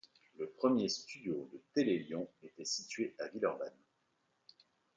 Le premier studio de Télé-Lyon était situé à Villeurbanne.